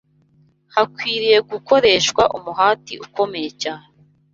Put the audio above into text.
Hakwiriye gukoreshwa umuhati ukomeye cyane